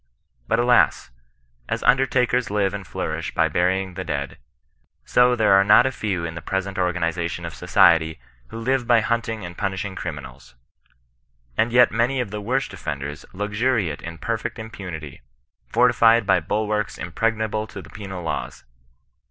But alas, as und ertakers live and flourish by burying the dead, so there are not a few in the present organizi^ tion of society who live by hunting and punishing cri minals. And yet many of the worst offenders luxuriate in perfect impunity, fortified by bulwarks impregnable to the penal laws.